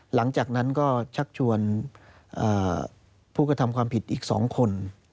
หลังจากนั้นก็ชักชวนผู้กระทำความผิดอีก๒คน